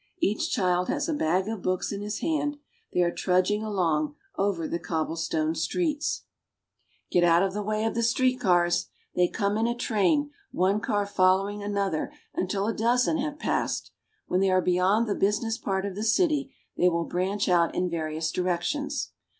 Each child has a bag of books in his hand ; they are trudging along over the cobblestone streets. 256 BRAZIL. In Sao Paulo. Get out of the way of the street cars ! They come in a train, one car following another until a dozen have passed. When they are beyond the business part of the city they will branch out in various directions.